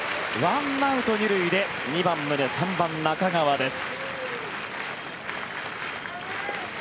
１アウト２塁で２番、宗３番、中川です。